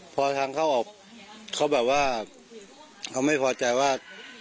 พอทางเข้าออกเขาแบบว่าเขาไม่พอใจว่า